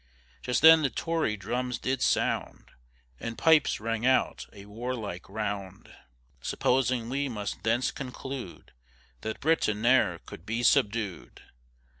Just then the Tory drums did sound, And pipes rang out a warlike round; Supposing we must thence conclude That Britain ne'er could be subdued.